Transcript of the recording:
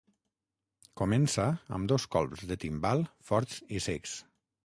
Comença amb dos colps de timbal forts i secs.